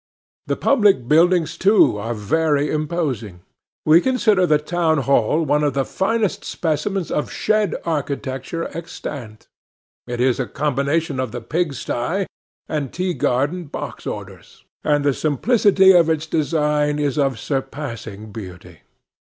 The public buildings, too, are very imposing. We consider the town hall one of the finest specimens of shed architecture, extant: it is a combination of the pig sty and tea garden box orders; and the simplicity of its design is of surpassing beauty.